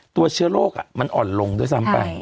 ตัวเชื้อโรคมันอ่อนลงด้วยซ้ำไป